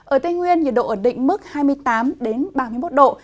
ở tây nguyên nhiệt độ ổn định mức hai mươi tám ba mươi một độ